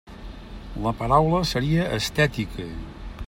La paraula seria «estètica».